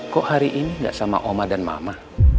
kok hari ini gak sama oma dan mama